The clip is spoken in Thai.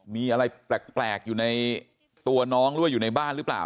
มีอะไรแปลกอยู่ในตัวน้องหรือว่าอยู่ในบ้านหรือเปล่า